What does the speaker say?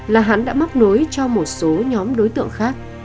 là hắn đã móc nối cho một số nhóm đối tượng khác